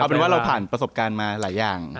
เป็นว่าเราผ่านประสบการณ์มาหลายอย่าง